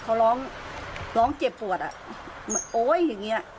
เค้าร้องเจ็บปวดอะ